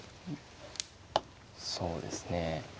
そうですね。